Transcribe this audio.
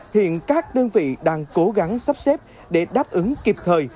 hiện các đơn vị đang cố gắng sắp xếp để đáp ứng kịp thời